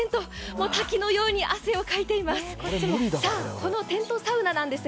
もう滝のように汗をかいています。